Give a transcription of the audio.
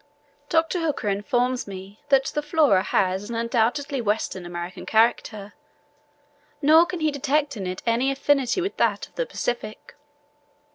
Dr. Hooker informs me that the Flora has an undoubtedly Western American character; nor can he detect in it any affinity with that of the Pacific.